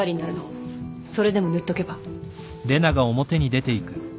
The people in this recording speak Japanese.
それでも塗っとけば？